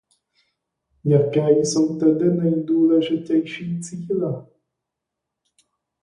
Jaké jsou tedy nejdůležitější cíle?